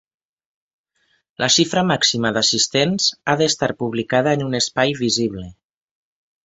La xifra màxima d’assistents ha d’estar publicada en un espai visible.